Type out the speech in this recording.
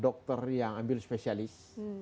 dokter yang ambil spesialis